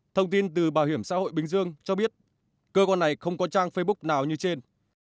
thông tin từ bảo hiểm xã hội bình dương cho biết cơ quan này không có trang facebook nào như trên